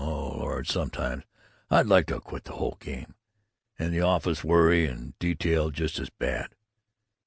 Oh, Lord, sometimes I'd like to quit the whole game. And the office worry and detail just as bad.